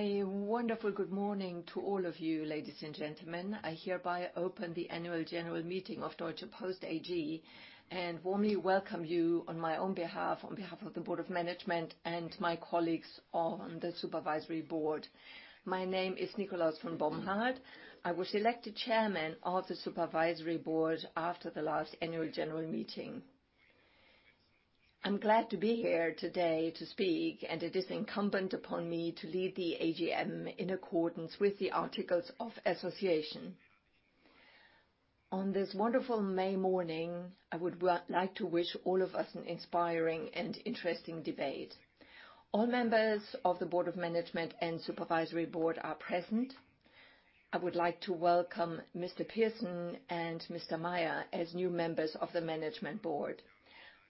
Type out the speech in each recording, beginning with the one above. A wonderful good morning to all of you, ladies and gentlemen. I hereby open the annual general meeting of Deutsche Post AG and warmly welcome you on my own behalf, on behalf of the Board of Management, and my colleagues on the Supervisory Board. My name is Nikolaus von Bomhard. I was elected Chairman of the Supervisory Board after the last annual general meeting. I'm glad to be here today to speak, and it is incumbent upon me to lead the AGM in accordance with the articles of association. On this wonderful May morning, I would like to wish all of us an inspiring and interesting debate. All members of the Board of Management and Supervisory Board are present. I would like to welcome Mr. Pearson and Mr. Meier as new members of the Management Board.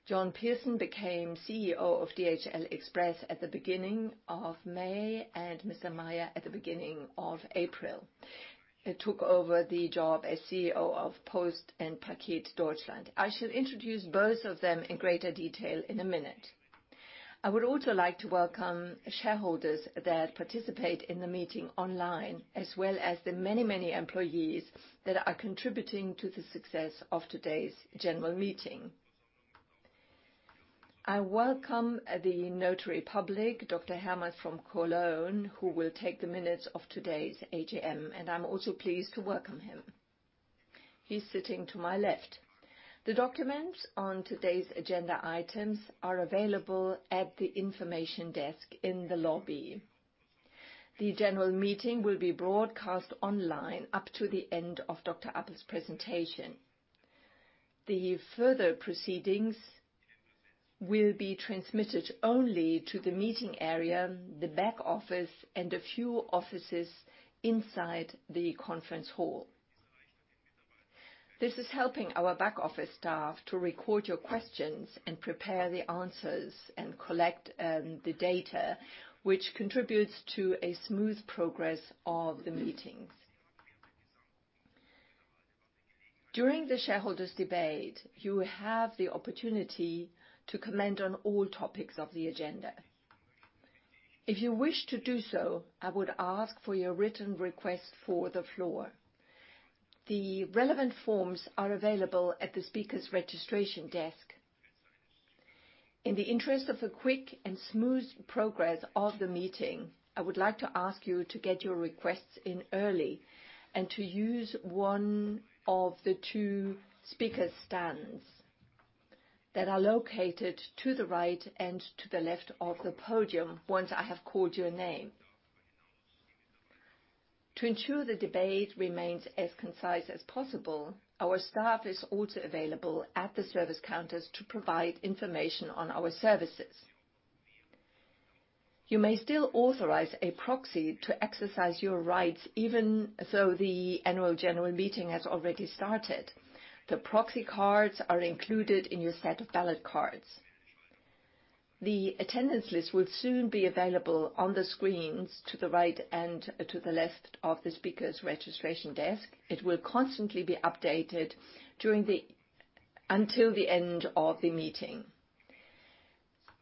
John Pearson became CEO of DHL Express at the beginning of May, and Mr. Meier, at the beginning of April, took over the job as CEO of Post & Parcel Germany. I shall introduce both of them in greater detail in a minute. I also like to welcome shareholders that participate in the meeting online, as well as the many, many employees that are contributing to the success of today's general meeting. I welcome the Notary Public Dr. Hermes from Cologne, who will take the minutes of today's AGM, and I'm also pleased to welcome him. He's sitting to my left. The documents on today's agenda items are available at the information desk in the lobby. The general meeting will be broadcast online up to the end of Dr. Appel's presentation. The further proceedings will be transmitted only to the meeting area, the back office, and a few offices inside the conference hall. This is helping our back office staff to record your questions and prepare the answers and collect the data which contributes to a smooth progress of the meetings. During the shareholders' debate, you will have the opportunity to comment on all topics of the agenda. If you wish to do so, I would ask for your written request for the floor. The relevant forms are available at the speakers' registration desk. In the interest of a quick and smooth progress of the meeting, I would like to ask you to get your requests in early and to use one of the two speaker stands that are located to the right and to the left of the podium once I have called your name. To ensure the debate remains as concise as possible, our staff is also available at the service counters to provide information on our services. You may still authorize a proxy to exercise your rights even though the annual general meeting has already started. The proxy cards are included in your set of ballot cards. The attendance list will soon be available on the screens to the right and to the left of the speakers' registration desk. It will constantly be updated until the end of the meeting.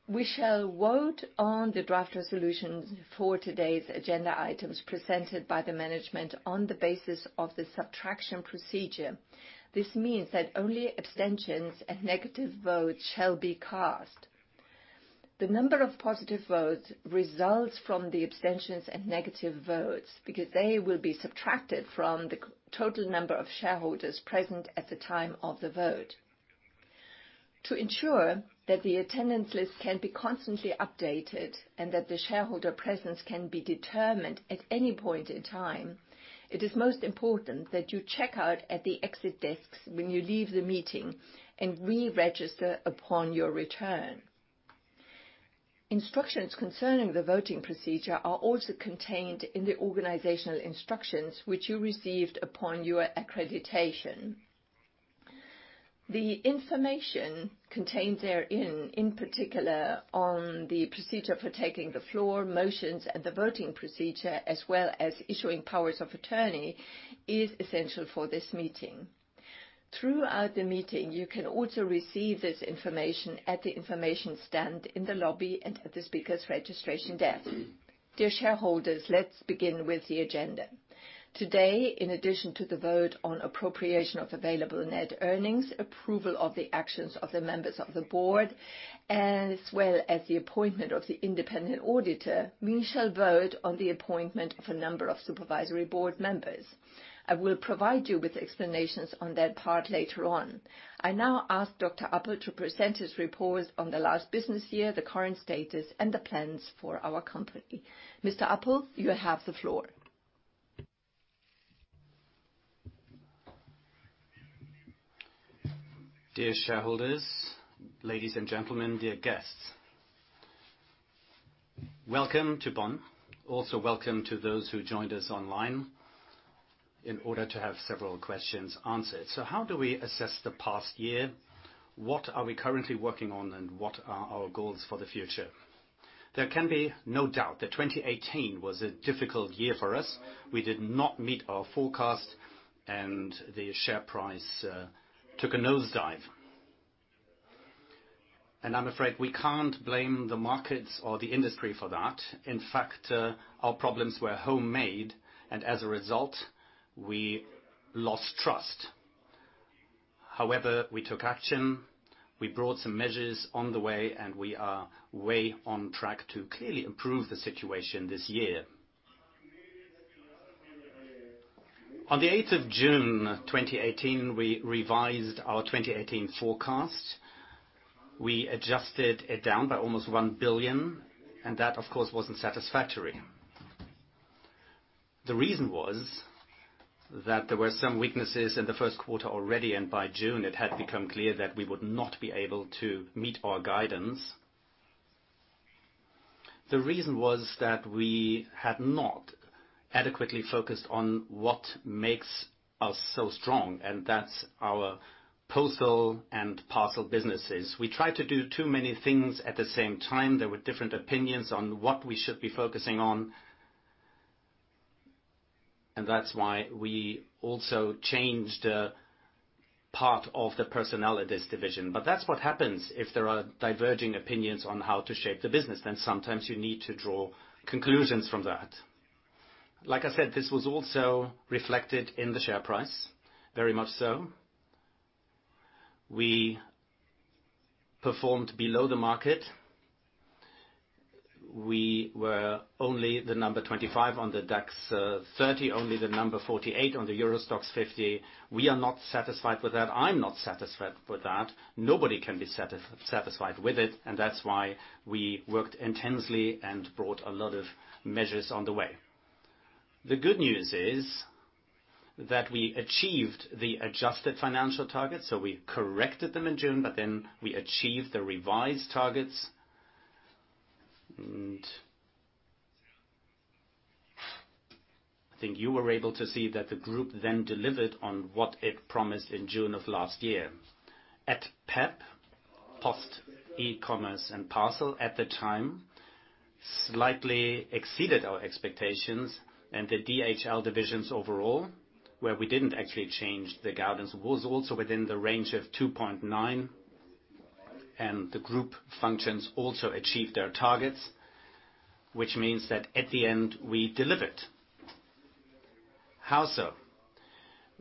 We shall vote on the draft resolution for today's agenda items presented by the management on the basis of the subtraction procedure. This means that only abstentions and negative votes shall be cast. The number of positive votes results from the abstentions and negative votes because they will be subtracted from the total number of shareholders present at the time of the vote. To ensure that the attendance list can be constantly updated and that the shareholder presence can be determined at any point in time, it is most important that you check out at the exit desks when you leave the meeting and re-register upon your return. Instructions concerning the voting procedure are also contained in the organizational instructions which you received upon your accreditation. The information contained therein, in particular on the procedure for taking the floor, motions, and the voting procedure, as well as issuing powers of attorney, is essential for this meeting. Throughout the meeting, you can also receive this information at the information stand in the lobby and at the speakers' registration desk. Dear shareholders, let's begin with the agenda. Today, in addition to the vote on appropriation of available net earnings, approval of the actions of the members of the board, as well as the appointment of the independent auditor, we shall vote on the appointment of a number of Supervisory Board members. I will provide you with explanations on that part later on. I now ask Dr. Appel to present his reports on the last business year, the current status, and the plans for our company. Mr. Appel, you have the floor. Dear shareholders, ladies and gentlemen, dear guests. Welcome to Bonn. Also welcome to those who joined us online in order to have several questions answered. How do we assess the past year? What are we currently working on, and what are our goals for the future? There can be no doubt that 2018 was a difficult year for us. We did not meet our forecast, and the share price took a nosedive. I'm afraid we can't blame the markets or the industry for that. In fact, our problems were homemade, and as a result, we lost trust. However, we took action. We brought some measures on the way, and we are way on track to clearly improve the situation this year. On the 8th of June 2018, we revised our 2018 forecast. We adjusted it down by almost 1 billion, and that, of course, wasn't satisfactory. The reason was that there were some weaknesses in the first quarter already, and by June it had become clear that we would not be able to meet our guidance. The reason was that we had not adequately focused on what makes us so strong, and that's our postal and parcel businesses. We try to do too many things at the same time. There were different opinions on what we should be focusing on, and that's why we also changed part of the personnel at this division. That's what happens if there are diverging opinions on how to shape the business, then sometimes you need to draw conclusions from that. Like I said, this was also reflected in the share price, very much so. We performed below the market. We were only the number 25 on the DAX 30, only the number 48 on the Euro Stoxx 50. We are not satisfied with that. I'm not satisfied with that. Nobody can be satisfied with it, and that's why we worked intensely and brought a lot of measures on the way. The good news is that we achieved the adjusted financial targets. We corrected them in June. We achieved the revised targets. You were able to see that the group delivered on what it promised in June of last year. At PeP, Post, e-commerce, and Parcel at the time, slightly exceeded our expectations. The DHL divisions overall, where we didn't actually change the guidance, was also within the range of 2.9. The group functions also achieved their targets, which means at the end we delivered. How so?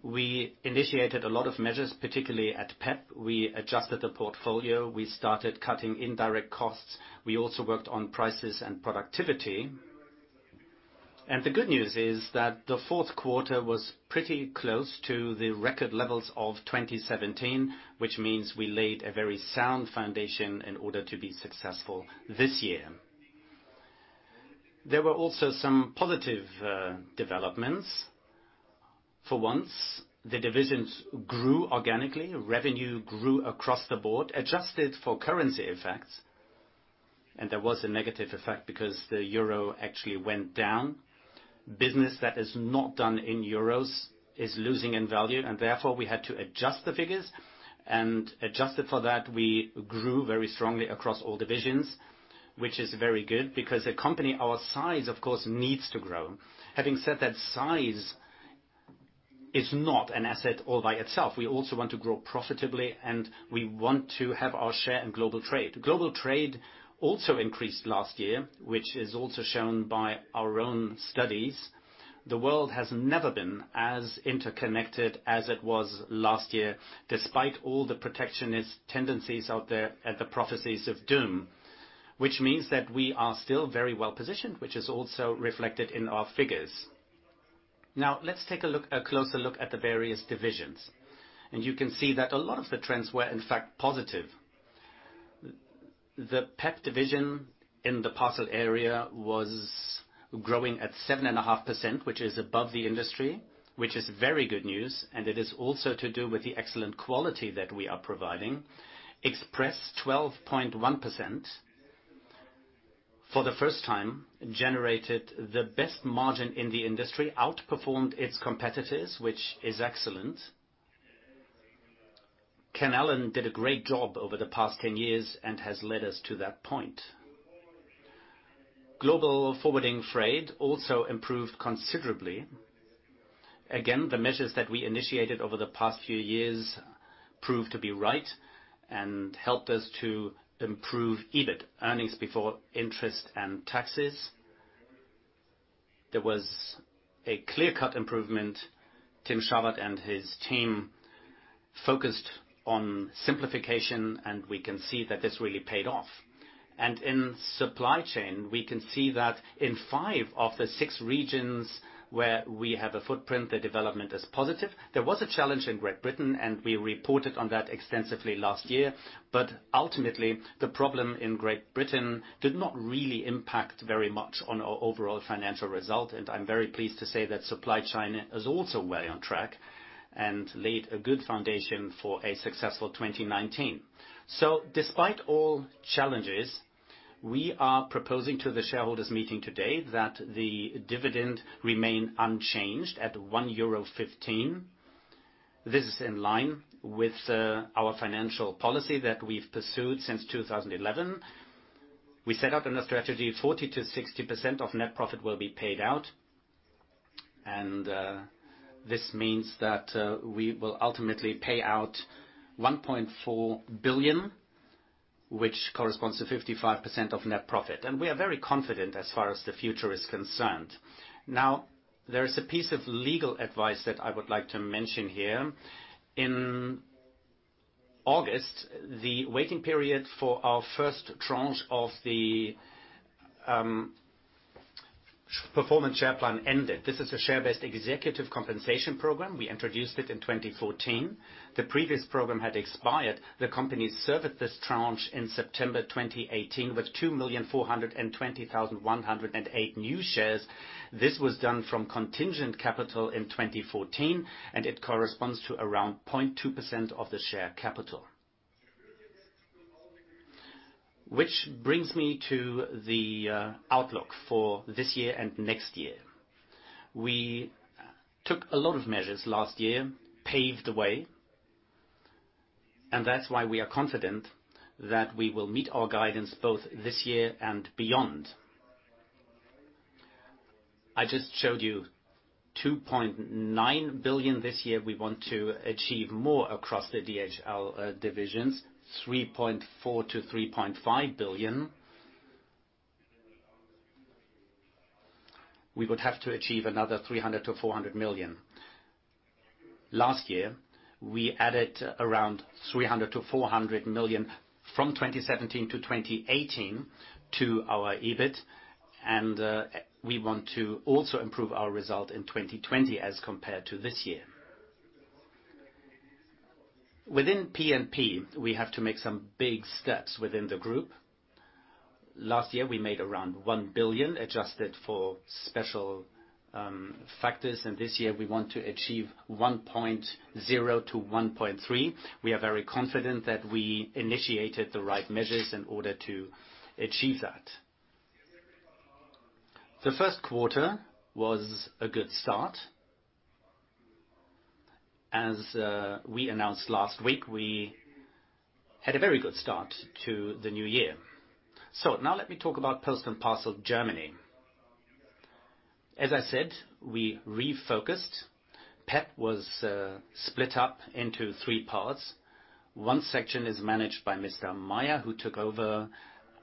We initiated a lot of measures, particularly at PeP. We adjusted the portfolio. We started cutting indirect costs. We also worked on prices and productivity. The good news is the fourth quarter was pretty close to the record levels of 2017. We laid a very sound foundation in order to be successful this year. There were also some positive developments. For once, the divisions grew organically. Revenue grew across the board, adjusted for currency effects. There was a negative effect because the EUR actually went down. Business that is not done in EUR is losing in value. Therefore we had to adjust the figures. Adjusted for that, we grew very strongly across all divisions, very good because a company our size, of course, needs to grow. Having said that, size is not an asset all by itself. We also want to grow profitably. We want to have our share in global trade. Global trade also increased last year, also shown by our own studies. The world has never been as interconnected as it was last year, despite all the protectionist tendencies out there and the prophecies of doom. We are still very well-positioned, also reflected in our figures. Let's take a closer look at the various divisions. You can see that a lot of the trends were, in fact, positive. The PeP division in the parcel area was growing at 7.5%, above the industry, very good news. It is also to do with the excellent quality that we are providing. Express, 12.1%. For the first time generated the best margin in the industry, outperformed its competitors, excellent. Ken Allen did a great job over the past 10 years and has led us to that point. Global Forwarding, Freight also improved considerably. The measures that we initiated over the past few years proved to be right and helped us to improve EBIT, earnings before interest and taxes. There was a clear-cut improvement. Tim Scharwath and his team focused on simplification. We can see that this really paid off. In Supply Chain, we can see that in five of the six regions where we have a footprint, the development is positive. There was a challenge in Great Britain. We reported on that extensively last year. Ultimately, the problem in Great Britain did not really impact very much on our overall financial result. I'm very pleased to say that Supply Chain is also way on track and laid a good foundation for a successful 2019. Despite all challenges, we are proposing to the shareholders meeting today that the dividend remain unchanged at 1.15 euro. This is in line with our financial policy that we've pursued since 2011. We set out on a strategy, 40%-60% of net profit will be paid out. This means that we will ultimately pay out 1.4 billion, which corresponds to 55% of net profit. We are very confident as far as the future is concerned. There is a piece of legal advice that I would like to mention here. In August, the waiting period for our first tranche of the Performance Share Plan ended. This is a share-based executive compensation program. We introduced it in 2014. The previous program had expired. The company surveyed this tranche in September 2018 with 2,420,108 new shares. This was done from contingent capital in 2014, and it corresponds to around 0.2% of the share capital. Which brings me to the outlook for this year and next year. We took a lot of measures last year, paved the way, that's why we are confident that we will meet our guidance both this year and beyond. I just showed you 2.9 billion this year. We want to achieve more across the DHL divisions, 3.4 billion-3.5 billion. We would have to achieve another 300 million-400 million. Last year, we added around 300 million-400 million from 2017 to 2018 to our EBIT, and we want to also improve our result in 2020 as compared to this year. Within P&P, we have to make some big steps within the group. Last year, we made around 1 billion, adjusted for special factors, this year, we want to achieve 1.0 billion-1.3 billion. We are very confident that we initiated the right measures in order to achieve that. The first quarter was a good start. As we announced last week, we had a very good start to the new year. Let me talk about Post & Parcel Germany. As I said, we refocused. PeP was split up into three parts. One section is managed by Mr. Meier, who took over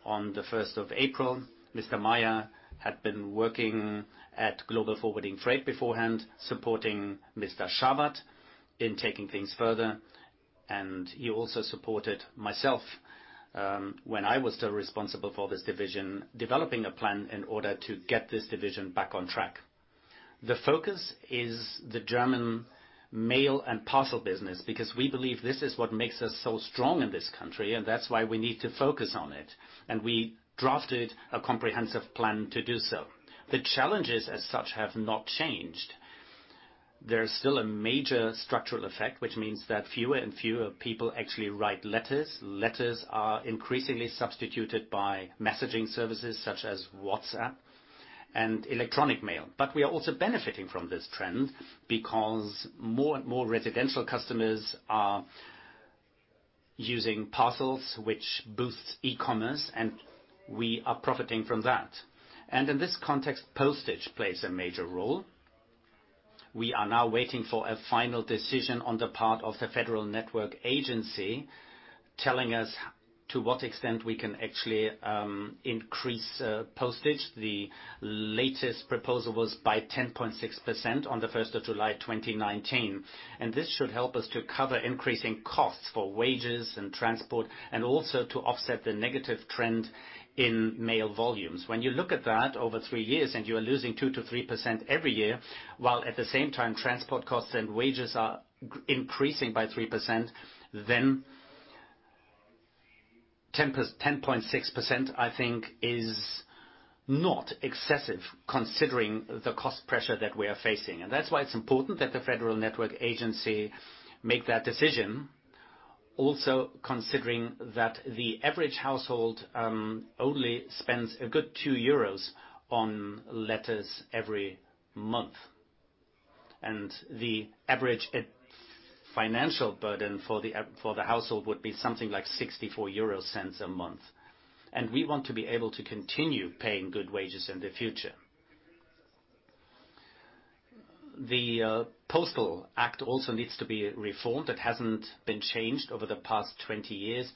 on the 1st of April. Mr. Meier had been working at Global Forwarding, Freight beforehand, supporting Mr. Scharwath in taking things further, he also supported myself when I was still responsible for this division, developing a plan in order to get this division back on track. The focus is the German mail and parcel business because we believe this is what makes us so strong in this country, that's why we need to focus on it, and we drafted a comprehensive plan to do so. The challenges as such have not changed. There's still a major structural effect, which means that fewer and fewer people actually write letters. Letters are increasingly substituted by messaging services such as WhatsApp and electronic mail. We are also benefiting from this trend because more and more residential customers are using parcels, which boosts e-commerce, and we are profiting from that. In this context, postage plays a major role. We are now waiting for a final decision on the part of the Federal Network Agency, telling us to what extent we can actually increase postage. The latest proposal was by 10.6% on the 1st of July 2019. This should help us to cover increasing costs for wages and transport, and also to offset the negative trend in mail volumes. When you look at that over three years and you are losing 2%-3% every year, while at the same time transport costs and wages are increasing by 3%, then 10.6%, I think, is not excessive considering the cost pressure that we are facing. That's why it's important that the Federal Network Agency make that decision. Also considering that the average household only spends a good 2 euros on letters every month. The average financial burden for the household would be something like 0.64 a month. We want to be able to continue paying good wages in the future. The Postal Act also needs to be reformed. It hasn't been changed over the past 20 years.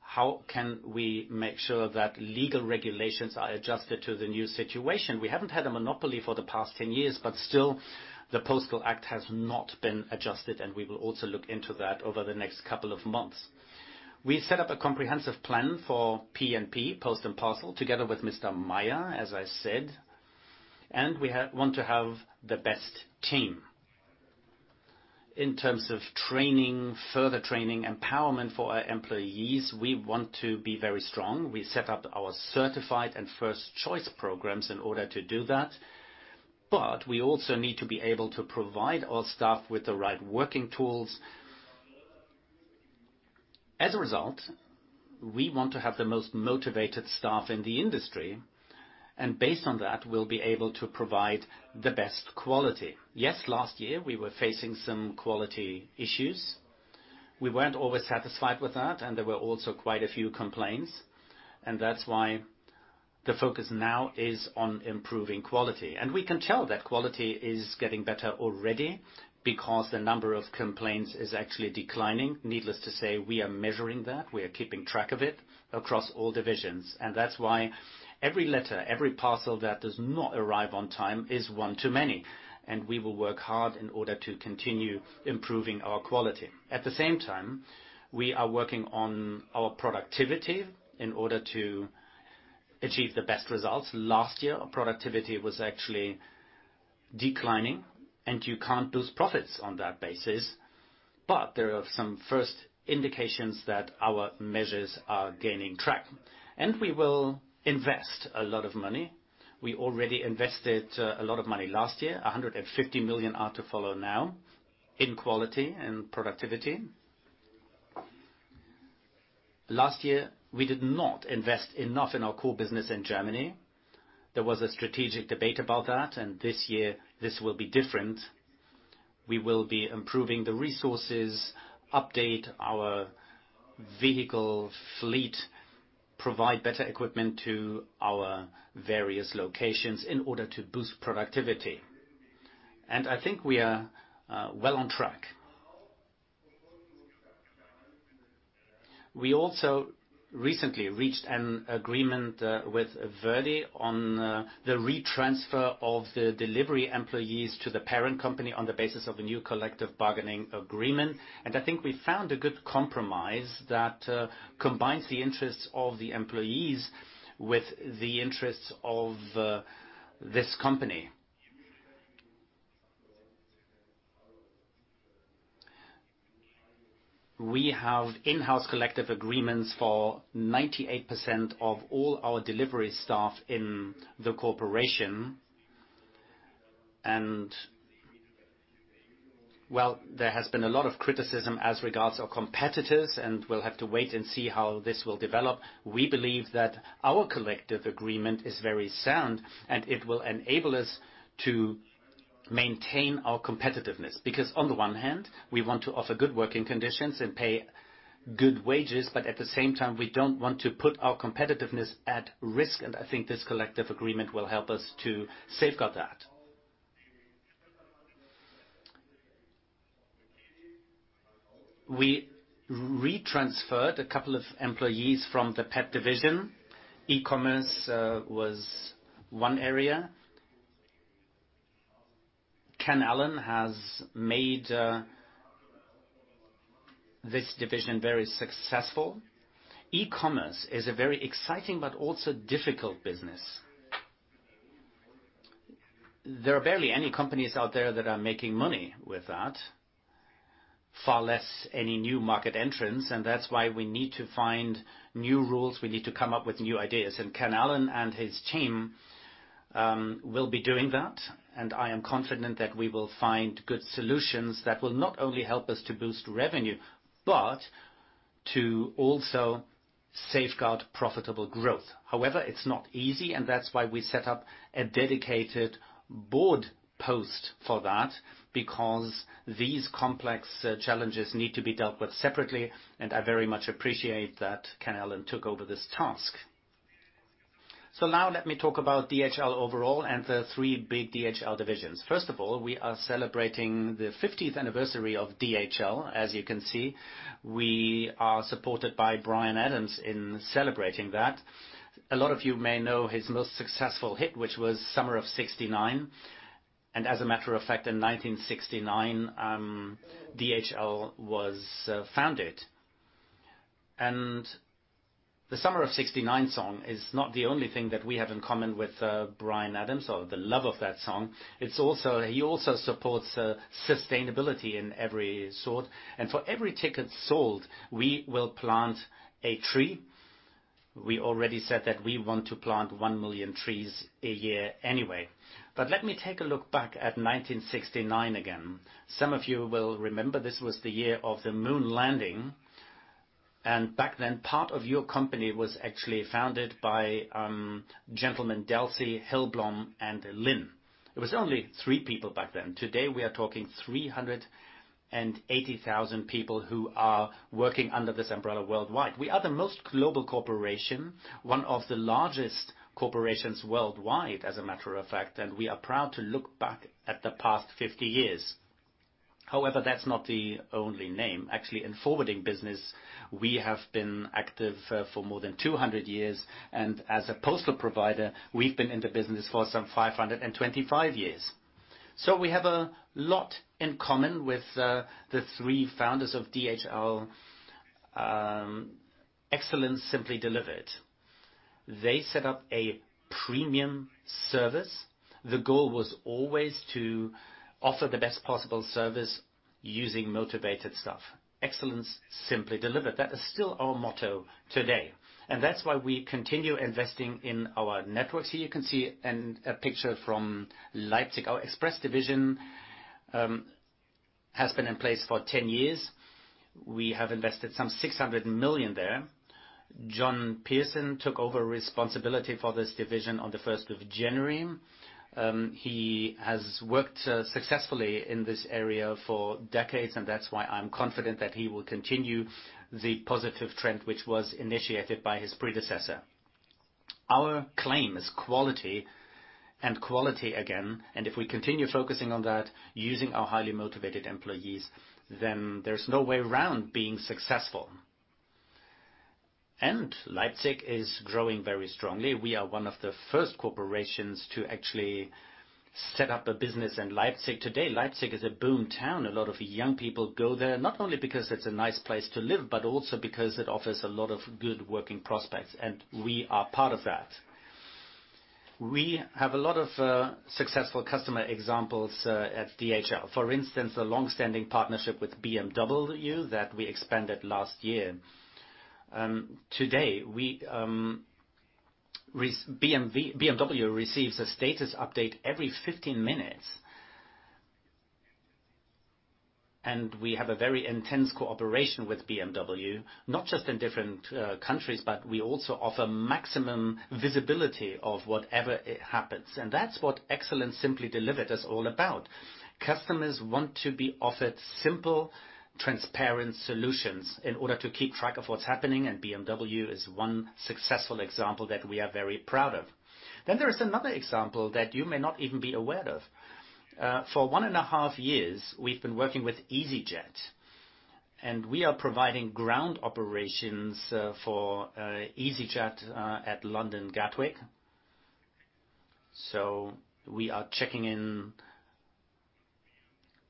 How can we make sure that legal regulations are adjusted to the new situation? We haven't had a monopoly for the past 10 years, but still the Postal Act has not been adjusted, and we will also look into that over the next couple of months. We set up a comprehensive plan for P&P, Post & Parcel, together with Mr. Meier, as I said, and we want to have the best team. In terms of training, further training, empowerment for our employees, we want to be very strong. We set up our Certified and First Choice programs in order to do that. We also need to be able to provide our staff with the right working tools. As a result, we want to have the most motivated staff in the industry, and based on that, we'll be able to provide the best quality. Yes, last year, we were facing some quality issues. We weren't always satisfied with that, and there were also quite a few complaints. That's why the focus now is on improving quality. We can tell that quality is getting better already because the number of complaints is actually declining. Needless to say, we are measuring that. We are keeping track of it across all divisions. That's why every letter, every parcel that does not arrive on time is one too many, and we will work hard in order to continue improving our quality. At the same time, we are working on our productivity in order to achieve the best results. Last year, our productivity was actually declining, and you can't lose profits on that basis. There are some first indications that our measures are gaining track. We will invest a lot of money. We already invested a lot of money last year, 150 million are to follow now in quality and productivity. Last year, we did not invest enough in our core business in Germany. There was a strategic debate about that, and this year, this will be different. We will be improving the resources, update our vehicle fleet, provide better equipment to our various locations in order to boost productivity. I think we are well on track. We also recently reached an agreement with ver.di on the re-transfer of the delivery employees to the parent company on the basis of a new collective bargaining agreement. I think we found a good compromise that combines the interests of the employees with the interests of this company. We have in-house collective agreements for 98% of all our delivery staff in the corporation. There has been a lot of criticism as regards our competitors, and we will have to wait and see how this will develop. We believe that our collective agreement is very sound, and it will enable us to maintain our competitiveness, because on the one hand, we want to offer good working conditions and pay good wages, but at the same time, we do not want to put our competitiveness at risk. I think this collective agreement will help us to safeguard that. We re-transferred a couple of employees from the PeP division. e-commerce was one area. Ken Allen has made this division very successful. e-commerce is a very exciting but also difficult business. There are barely any companies out there that are making money with that, far less any new market entrants, and that's why we need to find new rules. We need to come up with new ideas. Ken Allen and his team will be doing that, and I am confident that we will find good solutions that will not only help us to boost revenue, but to also safeguard profitable growth. However, it's not easy, and that's why we set up a dedicated board post for that, because these complex challenges need to be dealt with separately, and I very much appreciate that Ken Allen took over this task. Let me talk about DHL overall and the three big DHL divisions. First of all, we are celebrating the 50th anniversary of DHL. As you can see, we are supported by Bryan Adams in celebrating that. A lot of you may know his most successful hit, which was "Summer of '69." As a matter of fact, in 1969, DHL was founded. The "Summer of '69" song is not the only thing that we have in common with Bryan Adams or the love of that song. He also supports sustainability in every sort, and for every ticket sold, we will plant a tree. We already said that we want to plant 1 million trees a year anyway. Let me take a look back at 1969 again. Some of you will remember this was the year of the moon landing, and back then, part of your company was actually founded by gentlemen Dalsey, Hillblom, and Lynn. It was only three people back then. Today, we are talking 380,000 people who are working under this umbrella worldwide. We are the most global corporation, one of the largest corporations worldwide, as a matter of fact, and we are proud to look back at the past 50 years. However, that's not the only name. Actually, in forwarding business, we have been active for more than 200 years, and as a postal provider, we've been in the business for some 525 years. We have a lot in common with the three founders of DHL. Excellence simply delivered. They set up a premium service. The goal was always to offer the best possible service using motivated staff. Excellence simply delivered. That is still our motto today, and that's why we continue investing in our networks. Here you can see a picture from Leipzig. Our Express division has been in place for 10 years. We have invested some 600 million there. John Pearson took over responsibility for this division on the 1st of January. He has worked successfully in this area for decades, and that's why I'm confident that he will continue the positive trend, which was initiated by his predecessor. Our claim is quality and quality again. If we continue focusing on that using our highly motivated employees, then there's no way around being successful. Leipzig is growing very strongly. We are one of the first corporations to actually set up a business in Leipzig. Today, Leipzig is a boom town. A lot of young people go there, not only because it's a nice place to live, but also because it offers a lot of good working prospects, and we are part of that. We have a lot of successful customer examples at DHL. For instance, a longstanding partnership with BMW that we expanded last year. Today, BMW receives a status update every 15 minutes. We have a very intense cooperation with BMW, not just in different countries, but we also offer maximum visibility of whatever happens. That's what excellence simply delivered is all about. Customers want to be offered simple, transparent solutions in order to keep track of what's happening. BMW is one successful example that we are very proud of. There is another example that you may not even be aware of. For one and a half years, we've been working with easyJet. We are providing ground operations for easyJet at London Gatwick. We are checking in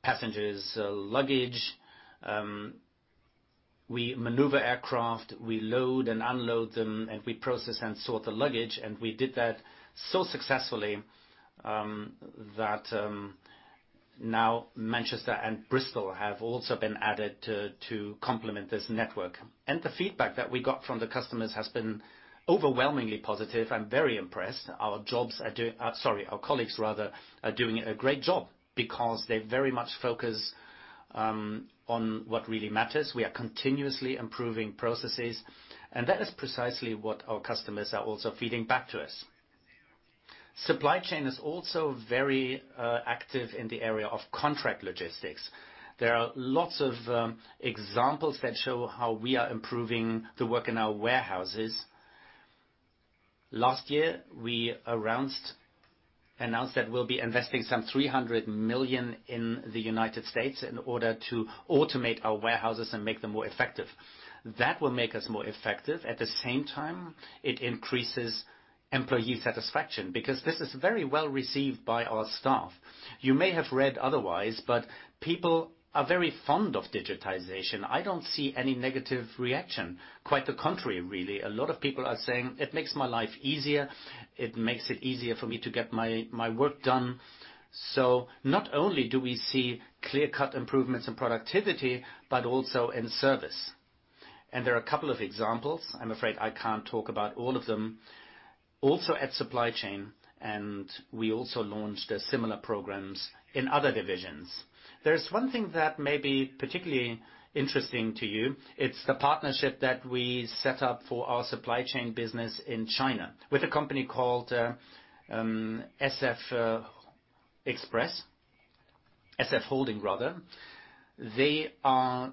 passengers' luggage. We maneuver aircraft, we load and unload them, and we process and sort the luggage. We did that so successfully that now Manchester and Bristol have also been added to complement this network. The feedback that we got from the customers has been overwhelmingly positive. I'm very impressed. Our colleagues are doing a great job because they very much focus on what really matters. We are continuously improving processes. That is precisely what our customers are also feeding back to us. DHL Supply Chain is also very active in the area of contract logistics. There are lots of examples that show how we are improving the work in our warehouses. Last year, we announced that we'll be investing some 300 million in the U.S. in order to automate our warehouses and make them more effective. That will make us more effective. At the same time, it increases employee satisfaction because this is very well-received by our staff. You may have read otherwise. People are very fond of digitization. I don't see any negative reaction. Quite the contrary, really. A lot of people are saying, "It makes my life easier. It makes it easier for me to get my work done." Not only do we see clear-cut improvements in productivity, but also in service. There are a couple of examples, I'm afraid I can't talk about all of them. Also at DHL Supply Chain. We also launched similar programs in other divisions. There's one thing that may be particularly interesting to you. It's the partnership that we set up for our supply chain business in China with a company called SF Holding rather. They are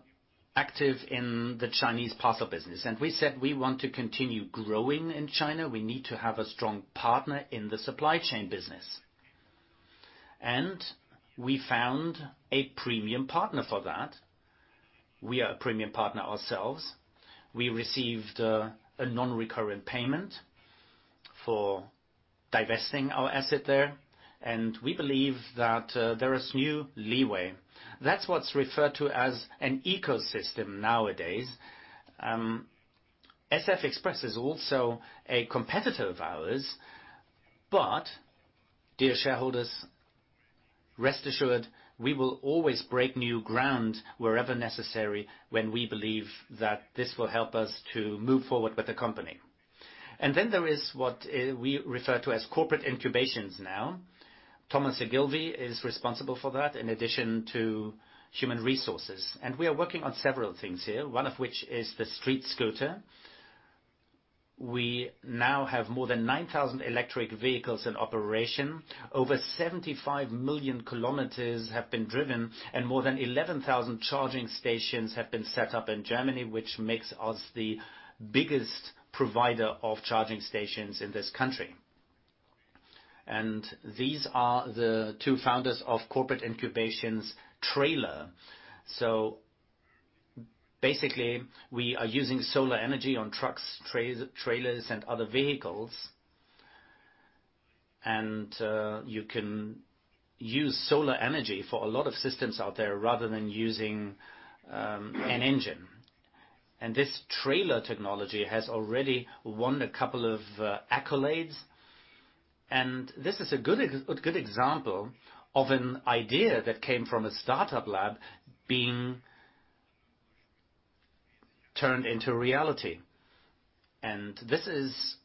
active in the Chinese parcel business. We said we want to continue growing in China, we need to have a strong partner in the supply chain business. We found a premium partner for that. We are a premium partner ourselves. We received a non-recurrent payment for divesting our asset there. We believe that there is new leeway. That's what's referred to as an ecosystem nowadays. SF Express is also a competitor of ours, but dear shareholders, rest assured, we will always break new ground wherever necessary when we believe that this will help us to move forward with the company. Then there is what we refer to as Corporate Incubations now. Thomas Ogilvie is responsible for that in addition to human resources. We are working on several things here, one of which is the StreetScooter. We now have more than 9,000 electric vehicles in operation. Over 75 million kilometers have been driven, and more than 11,000 charging stations have been set up in Germany, which makes us the biggest provider of charging stations in this country. These are the two founders of Corporate Incubations trailer. So basically, we are using solar energy on trucks, trailers, and other vehicles. You can use solar energy for a lot of systems out there rather than using an engine. This trailer technology has already won a couple of accolades, and this is a good example of an idea that came from a startup lab being turned into reality. This is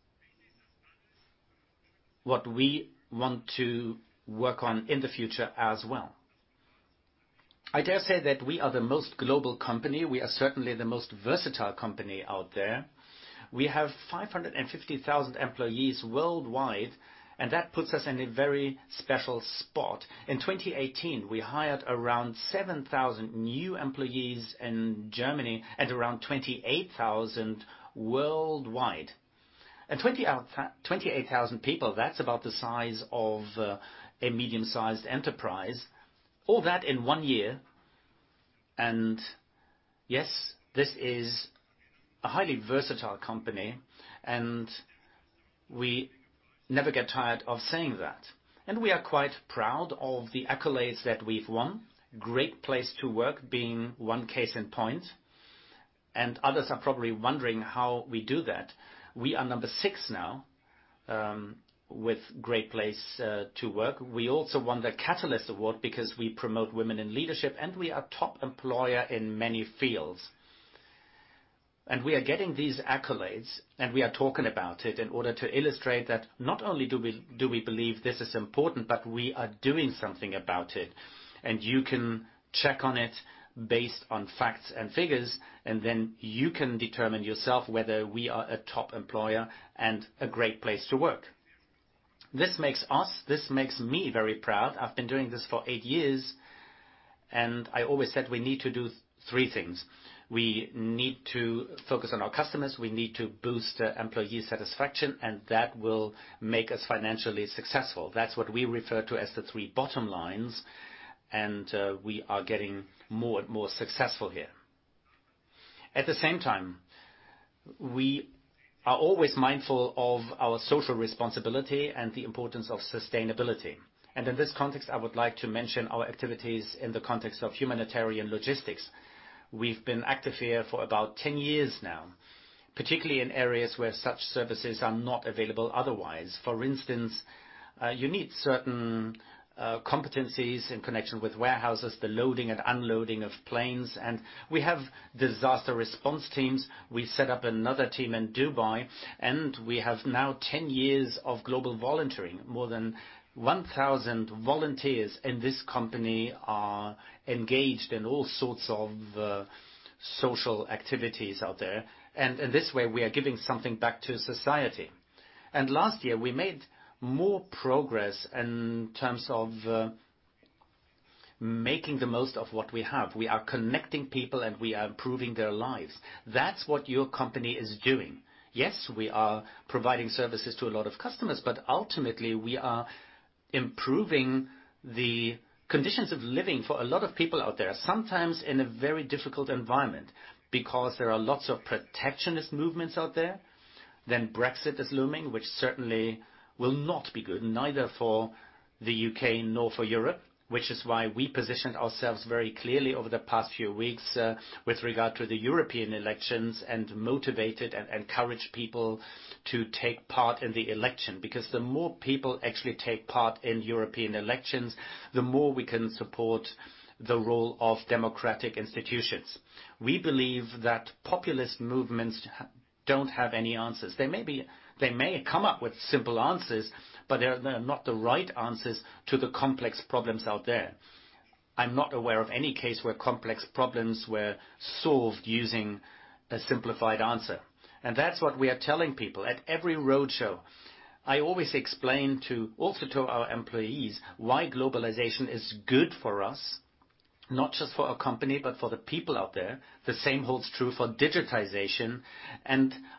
what we want to work on in the future as well. I dare say that we are the most global company. We are certainly the most versatile company out there. We have 550,000 employees worldwide, and that puts us in a very special spot. In 2018, we hired around 7,000 new employees in Germany and around 28,000 worldwide. 28,000 people, that's about the size of a medium-sized enterprise. All that in one year. Yes, this is a highly versatile company, and we never get tired of saying that. We are quite proud of the accolades that we've won. Great Place to Work being one case in point. Others are probably wondering how we do that. We are number 6 now with Great Place to Work. We also won the Catalyst Award because we promote women in leadership, and we are a top employer in many fields. We are getting these accolades, and we are talking about it in order to illustrate that not only do we believe this is important, but we are doing something about it. You can check on it based on facts and figures, and then you can determine yourself whether we are a top employer and a great place to work. This makes us, this makes me very proud. I've been doing this for eight years, and I always said we need to do three things. We need to focus on our customers, we need to boost employee satisfaction, that will make us financially successful. That's what we refer to as the three bottom lines, and we are getting more and more successful here. At the same time, we are always mindful of our social responsibility and the importance of sustainability. In this context, I would like to mention our activities in the context of humanitarian logistics. We've been active here for about 10 years now, particularly in areas where such services are not available otherwise. For instance, you need certain competencies in connection with warehouses, the loading and unloading of planes. We have disaster response teams. We set up another team in Dubai, and we have now 10 years of global volunteering. More than 1,000 volunteers in this company are engaged in all sorts of social activities out there. In this way, we are giving something back to society. Last year, we made more progress in terms of making the most of what we have. We are connecting people, and we are improving their lives. That's what your company is doing. Yes, we are providing services to a lot of customers, but ultimately, we are improving the conditions of living for a lot of people out there, sometimes in a very difficult environment because there are lots of protectionist movements out there. Brexit is looming, which certainly will not be good, neither for the U.K. nor for Europe, which is why we positioned ourselves very clearly over the past few weeks with regard to the European elections and motivated and encouraged people to take part in the election. The more people actually take part in European elections, the more we can support the role of democratic institutions. We believe that populist movements don't have any answers. They may come up with simple answers, but they're not the right answers to the complex problems out there. I'm not aware of any case where complex problems were solved using a simplified answer. That's what we are telling people at every roadshow. I always explain also to our employees why globalization is good for us, not just for our company, but for the people out there. The same holds true for digitization.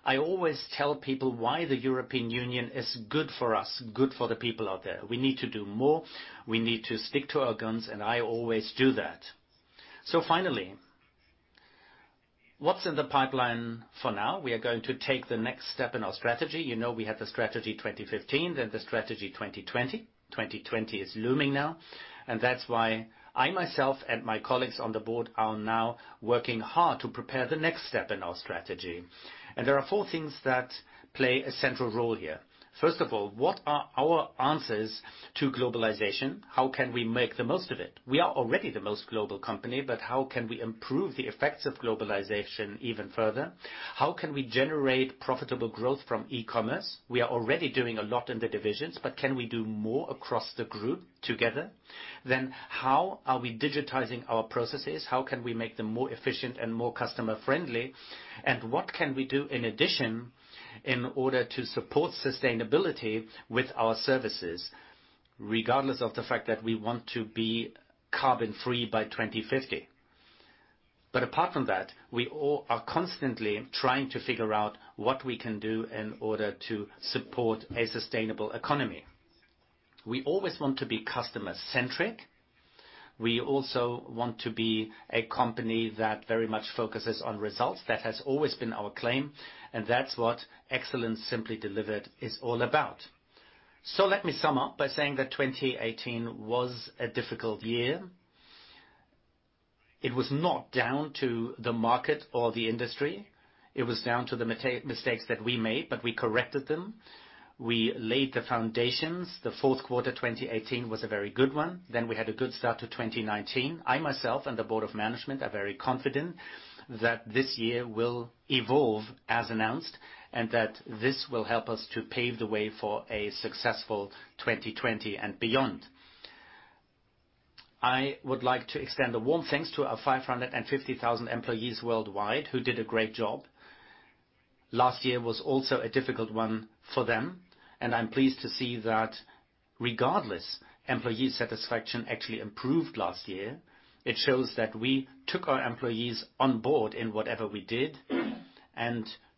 I always tell people why the European Union is good for us, good for the people out there. We need to do more. We need to stick to our guns, and I always do that. Finally, what's in the pipeline for now? We are going to take the next step in our strategy. You know we had the Strategy 2015, then the Strategy 2020. 2020 is looming now. That's why I myself and my colleagues on the board are now working hard to prepare the next step in our strategy. There are four things that play a central role here. First of all, what are our answers to globalization? How can we make the most of it? We are already the most global company, but how can we improve the effects of globalization even further? How can we generate profitable growth from e-commerce? We are already doing a lot in the divisions, but can we do more across the group together? How are we digitizing our processes? How can we make them more efficient and more customer-friendly? What can we do in addition in order to support sustainability with our services, regardless of the fact that we want to be carbon-free by 2050? Apart from that, we all are constantly trying to figure out what we can do in order to support a sustainable economy. We always want to be customer-centric. We also want to be a company that very much focuses on results. That has always been our claim, and that's what Excellence. Simply Delivered. is all about. Let me sum up by saying that 2018 was a difficult year. It was not down to the market or the industry. It was down to the mistakes that we made, but we corrected them. We laid the foundations. The fourth quarter 2018 was a very good one. We had a good start to 2019. I myself and the board of management are very confident that this year will evolve as announced, and that this will help us to pave the way for a successful 2020 and beyond. I would like to extend a warm thanks to our 550,000 employees worldwide who did a great job. Last year was also a difficult one for them, and I'm pleased to see that regardless, employee satisfaction actually improved last year. It shows that we took our employees on board in whatever we did.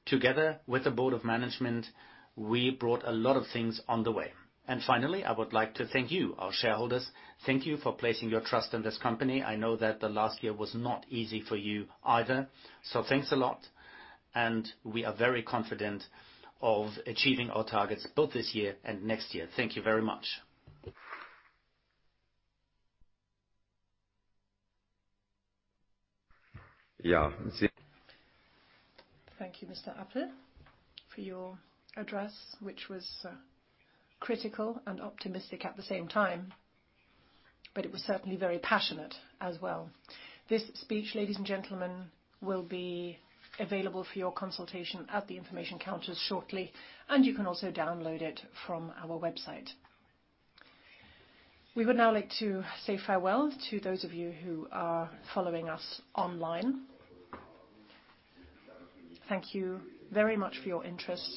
Together with the board of management, we brought a lot of things on the way. Finally, I would like to thank you, our shareholders. Thank you for placing your trust in this company. I know that the last year was not easy for you either. Thanks a lot, and we are very confident of achieving our targets both this year and next year. Thank you very much. Thank you, Mr. Appel, for your address, which was critical and optimistic at the same time, but it was certainly very passionate as well. This speech, ladies and gentlemen, will be available for your consultation at the information counters shortly, and you can also download it from our website. We would now like to say farewell to those of you who are following us online. Thank you very much for your interest.